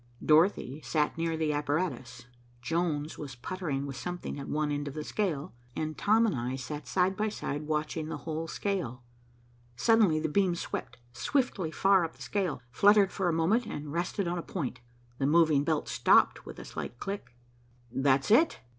Dorothy sat near the apparatus. Jones was puttering with something at one end of the scale, and Tom and I sat side by side, watching the whole scale. Suddenly the beam swept swiftly far up the scale, fluttered for a moment and rested on a point. The moving belt stopped with a slight click. "That's it.